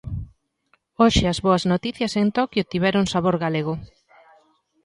Hoxe as boas noticias en Toquio tiveron sabor galego.